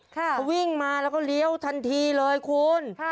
เขาวิ่งมาแล้วก็เลี้ยวทันทีเลยคุณ